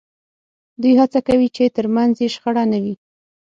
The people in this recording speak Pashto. دوی هڅه کوي چې ترمنځ یې شخړه نه وي